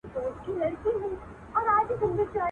بخت به کله خلاصه غېږه په خندا سي.